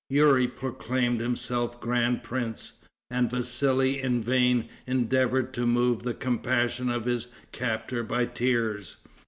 Youri proclaimed himself grand prince, and Vassali in vain endeavored to move the compassion of his captor by tears.